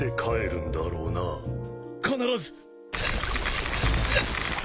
必ず！